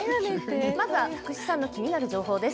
まずは福士さんの気になる情報です。